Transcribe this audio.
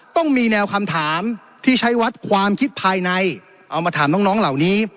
ต้องมีแนวคำถามที่ใช้วัดความคิดภายในเอามาถามน้องเหล่านี้